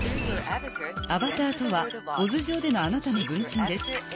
アバターとはＯＺ上でのあなたの分身です。